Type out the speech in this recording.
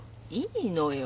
いいのよ。